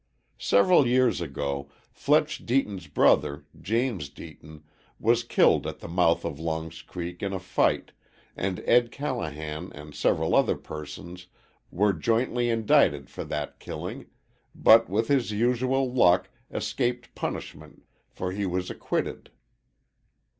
Several years ago Fletch Deaton's brother, James Deaton, was killed at the mouth of Long's Creek in a fight, and Ed. Callahan and several other persons were jointly indicted for that killing, but with his usual luck escaped punishment for he was acquitted.